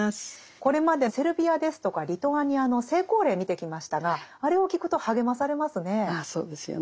これまでセルビアですとかリトアニアの成功例見てきましたがあれを聞くと励まされますね。